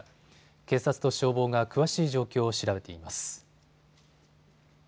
警察と消防が詳しい状況を調べています。